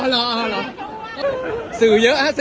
รับทราบ